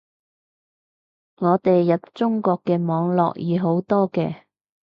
我哋入中國嘅網絡易好多嘅